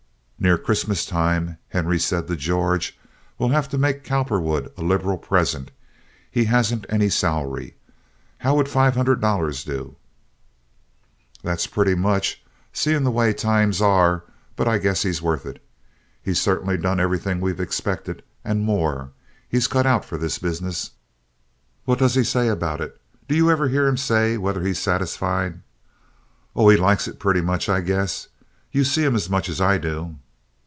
Near Christmas time Henry said to George: "We'll have to make Cowperwood a liberal present. He hasn't any salary. How would five hundred dollars do?" "That's pretty much, seeing the way times are, but I guess he's worth it. He's certainly done everything we've expected, and more. He's cut out for this business." "What does he say about it? Do you ever hear him say whether he's satisfied?" "Oh, he likes it pretty much, I guess. You see him as much as I do."